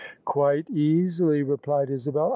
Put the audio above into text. " Quite easily," replied Isabel.